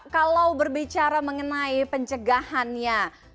kalau berbicara mengenai pencegahannya